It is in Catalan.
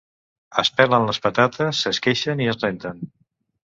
Es pelen les patates, s’esqueixen i es renten.